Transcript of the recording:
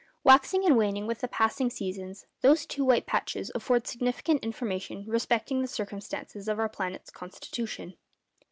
Waxing and waning with the passing seasons, those two white patches afford significant information respecting the circumstances of our planet's constitution.